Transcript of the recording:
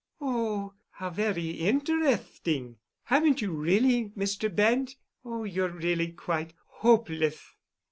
"Oh, how very interethting! Haven't you really, Mr. Bent? Oh, you're really quite hopeleth."